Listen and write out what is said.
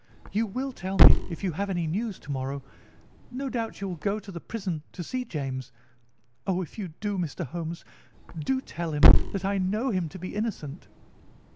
"You will tell me if you have any news to morrow. No doubt you will go to the prison to see James. Oh, if you do, Mr. Holmes, do tell him that I know him to be innocent."